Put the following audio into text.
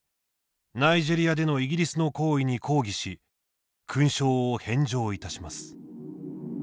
ナイジェリアでのイギリスの行為に抗議し勲章を返上いたします」。